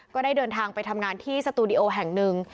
ก็ได้เดินทางไปทำงานที่สตูดิโอแห่งหนึ่ง